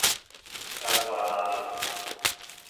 Ez ba nadim.